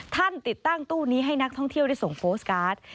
ติดตั้งตู้นี้ให้นักท่องเที่ยวได้ส่งโพสต์การ์ด